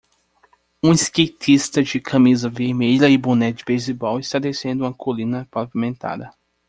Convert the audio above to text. Um skatista de camisa vermelha e boné de beisebol está descendo uma colina pavimentada.